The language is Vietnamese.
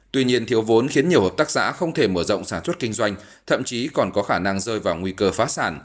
tuy nhiên thiếu vốn khiến nhiều hợp tác xã không thể mở rộng sản xuất kinh doanh thậm chí còn có khả năng rơi vào nguy cơ phá sản